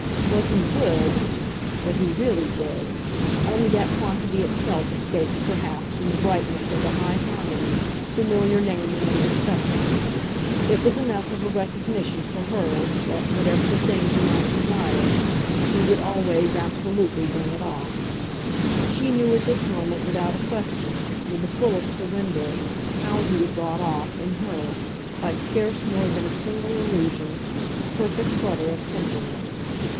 "What he would," what he REALLY would only that quantity itself escaped perhaps, in the brightness of the high harmony, familiar naming and discussing. It was enough of a recognition for her that, whatever the thing he might desire, he would always absolutely bring it off. She knew at this moment, without a question, with the fullest surrender, how he had brought off, in her, by scarce more than a single allusion, a perfect flutter of tenderness.